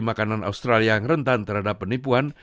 makanan australia yang rentan terhadap penipuan